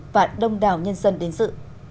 và đông đảo nhân dân đến dự